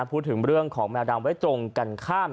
พูดถึงเรื่องของแมวดำไว้ตรงกันข้าม